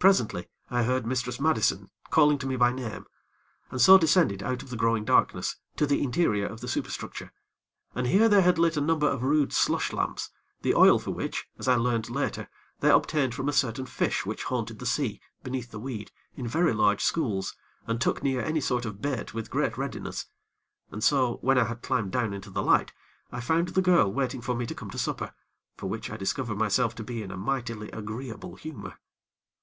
Presently, I heard Mistress Madison calling to me by name, and so descended out of the growing darkness, to the interior of the superstructure, and here they had lit a number of rude slush lamps, the oil for which, as I learned later, they obtained from a certain fish which haunted the sea, beneath the weed, in very large schools, and took near any sort of bait with great readiness. And so, when I had climbed down into the light, I found the girl waiting for me to come to supper, for which I discovered myself to be in a mightily agreeable humor.